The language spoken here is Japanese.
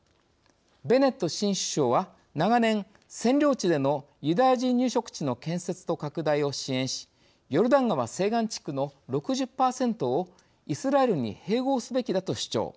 ベネット新首相は、長年占領地でのユダヤ人入植地の建設と拡大を支援しヨルダン川西岸地区の６０％をイスラエルに併合すべきだと主張。